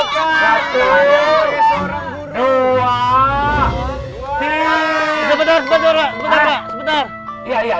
pak jaya pak jaya ini berani orangnya